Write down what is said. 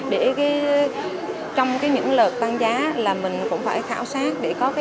để trong những lợt tăng giá là mình cũng phải khảo sát